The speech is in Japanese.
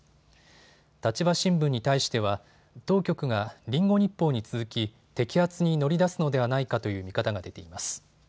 立場新聞に対しては当局がリンゴ日報に続き摘発に乗り出すのではないかという見方が出ています。